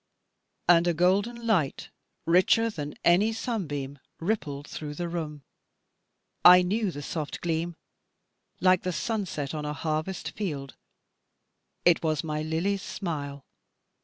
And a golden light, richer than any sunbeam, rippled through the room. I knew the soft gleam like the sunset on a harvest field. It was my Lily's smile.